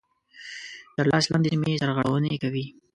تر لاس لاندي سیمي سرغړوني کوي.